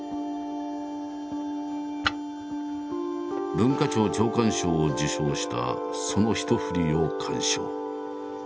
文化庁長官賞を受賞したその１ふりを鑑賞。